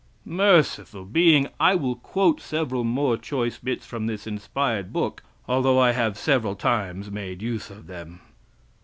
Merciful Being! I will quote several more choice bits from this inspired book, although I have several times made use of them.